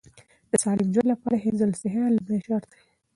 د سالم ژوند لپاره حفظ الصحه لومړی شرط دی.